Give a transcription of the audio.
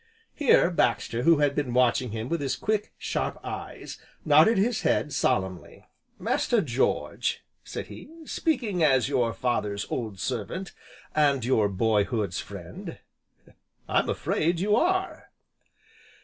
Here, Baxter, who had been watching him with his quick, sharp eyes nodded his head solemnly: "Master George," said he, "speaking as your father's old servant, and your boyhood's friend, I'm afraid you are."